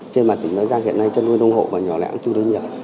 trên mặt tỉnh bắc giang hiện nay chăn nuôi nông hộ và nhỏ lẻ cũng tương đối nhiều